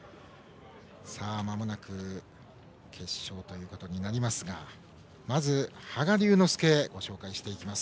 まもなく決勝となりますがまず羽賀龍之介をご紹介していきます。